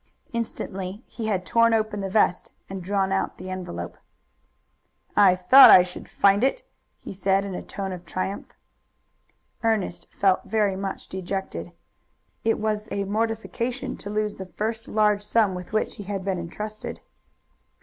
Instantly he had torn open the vest and drawn out the envelope. "I thought I should find it," he said in a tone of triumph. Ernest felt very much dejected. It was a mortification to lose the first large sum with which he had been intrusted.